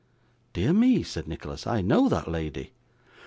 'Dear me!' said Nicholas, 'I know that lady.